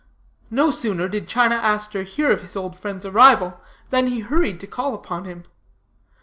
No sooner did China Aster hear of his old friend's arrival than he hurried to call upon him.